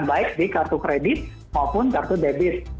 baik di kartu kredit maupun kartu debit